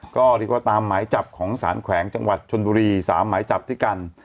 ก็ตามหมายจับของสารแขวงจังหวัดชนบุรี๓หมายจับที่กัน